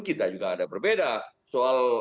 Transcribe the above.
kita juga ada berbeda soal